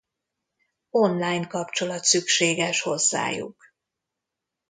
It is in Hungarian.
Online kapcsolat szükséges hozzájuk.